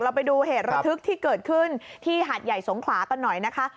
ไปดูเหตุระทึกที่เกิดขึ้นที่หาดใหญ่สงขลากันหน่อยนะคะ